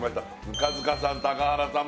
糠塚さん高原さん